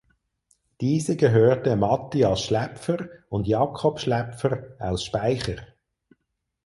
Diese gehörte Matthias Schläpfer und Jakob Schläpfer aus Speicher.